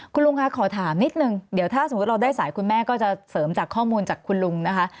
คุณลุงคะขอถามนิดนึงเดี๋ยวถ้าสมมุติเราได้สายคุณแม่ก็จะเสริมจากข้อมูลจากคุณลุงนะคะ